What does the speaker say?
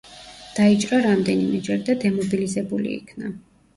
დაიჭრა რამდენიმეჯერ და დემობილიზებული იქნა.